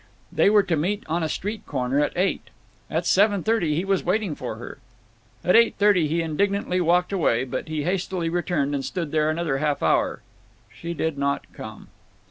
They were to meet on a street corner at eight. At seven thirty he was waiting for her. At eight thirty he indignantly walked away, but he hastily returned, and stood there another half hour. She did not come.